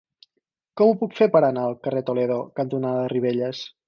Com ho puc fer per anar al carrer Toledo cantonada Ribelles?